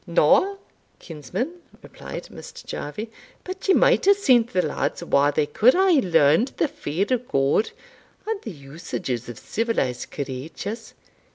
"Na, kinsman," replied Mr. Jarvie, "but ye might hae sent the lads whar they could hae learned the fear o' God, and the usages of civilised creatures.